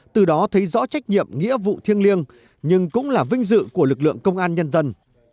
từ đó thấy rõ trách nhiệm nghĩa vụ thiêng liêng nhưng cũng là vinh dự của lực lượng công an nhân dân